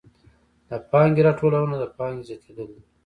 د پانګې راټولونه د پانګې زیاتېدل دي